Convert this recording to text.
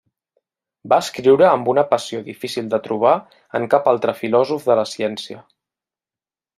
Va escriure amb una passió difícil de trobar en cap altre filòsof de la ciència.